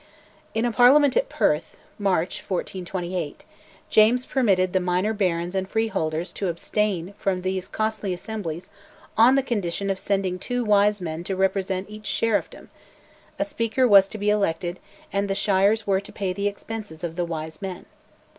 In a Parliament at Perth (March 1428) James permitted the minor barons and freeholders to abstain from these costly assemblies on the condition of sending two "wise men" to represent each sheriffdom: a Speaker was to be elected, and the shires were to pay the expenses of the wise men.